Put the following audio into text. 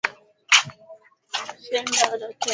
Nimevaa kofia